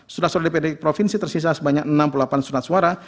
surat surat dpd provinsi tersisa sebanyak enam puluh delapan surat suara